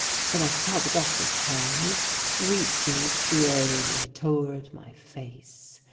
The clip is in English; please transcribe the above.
Then I saw the doctor's hand reaching slowly toward my face.